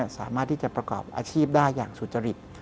สามารถที่จะประกอบอาชีพได้อย่างสุจริต